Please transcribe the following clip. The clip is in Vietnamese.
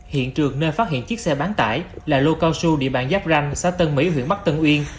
hiện trường nơi phát hiện chiếc xe bán tải là lô cao su địa bàn giáp ranh xã tân mỹ huyện bắc tân uyên